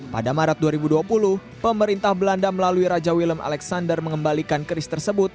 pada maret dua ribu dua puluh pemerintah belanda melalui raja willem alexander mengembalikan keris tersebut